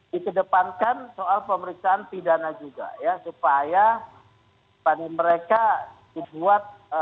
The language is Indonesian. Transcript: dikedepankan soal pemeriksaan pidana juga ya